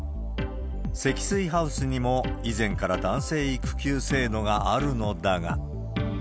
積水ハウスにも、以前から男性育休制度があるのだが。